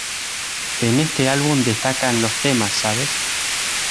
En este álbum destacan los temas "¿Sabes?